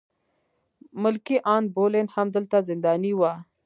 ملکې ان بولین هم دلته زنداني وه.